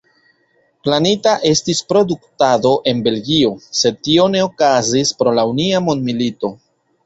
Planita estis produktado en Belgio, sed tio ne okazis pro la unua mondmilito.